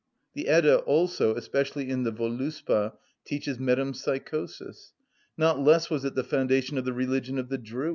_) The "Edda" also, especially in the "Völuspá," teaches metempsychosis. Not less was it the foundation of the religion of the Druids (_Cæs.